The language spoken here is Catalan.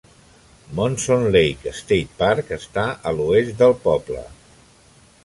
Monson Lake State Park està a l"oest del poble.